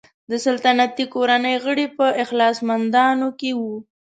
د سلطنتي کورنۍ غړي په اخلاصمندانو کې وو.